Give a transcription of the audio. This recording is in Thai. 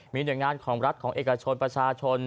มีหน่วยงานของรัฐของเอกชนประชาชน